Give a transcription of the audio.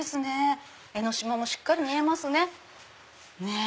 江の島もしっかり見えますね。